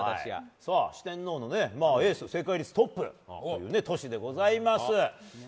四天王のエース正解率トップのトシでございます。